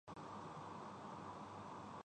تو خوشی ہوئی کہ اب ملنے کے امکانات بڑھ جائیں گے۔